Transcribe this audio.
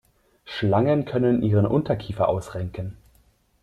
Schlangen können ihren Unterkiefer ausrenken.